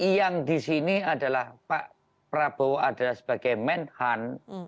yang di sini adalah pak prabowo adalah sebagai menhan